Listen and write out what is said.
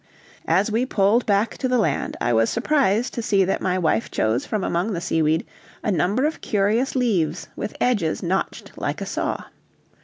As we pulled back to the land I was surprised to see that my wife chose from among the seaweed a number of curious leaves with edges notched like a saw.